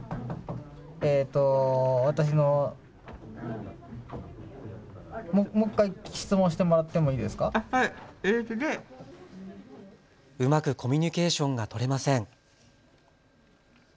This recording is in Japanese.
えっと、私の、もう１回質問してもらってもいいですか。うまくコミュニケーションが取れません。